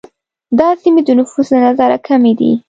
دا سیمې د نفوس له نظره کمي دي.